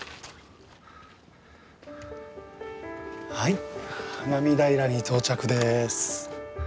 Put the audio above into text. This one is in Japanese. はい花見平に到着です。